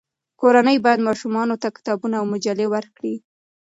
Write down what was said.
کورنۍ باید ماشومانو ته کتابونه او مجلې ورکړي.